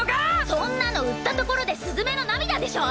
そんなの売ったところですずめの涙でしょ！